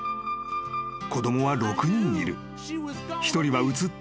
［子供は６人いる］